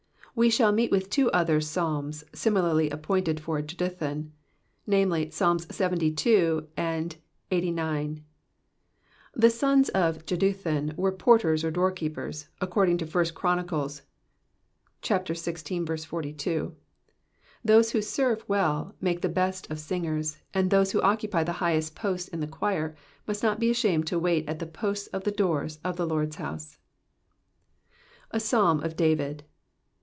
We sliall meet with two other Psalms similarly appointed for Jeduthun : namely, Psalms LXX VII. and LXXXIX. The sons of Jeduihun were porters or doorkeepers, according to I. Chron. xvi. 42. Those who serve well mulce the best of singers, and those who occupy the highest posts in the choir must not be ashamed to loait ai the posts of the doors of the Lord's house, A PsAiiM OF David.